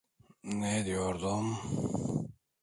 Ne diyordum…